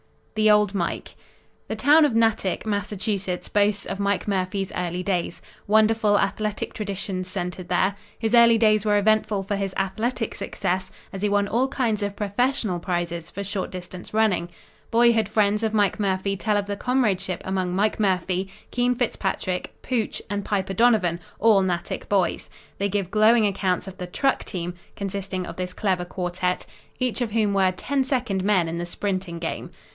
"The Old Mike" The town of Natick, Mass., boasts of Mike Murphy's early days. Wonderful athletic traditions centered there. His early days were eventful for his athletic success, as he won all kinds of professional prizes for short distance running. Boyhood friends of Mike Murphy tell of the comradeship among Mike Murphy, Keene Fitzpatrick, Pooch and Piper Donovan all Natick boys. They give glowing accounts of the "truck team" consisting of this clever quartet, each of whom were "ten second" men in the sprinting game.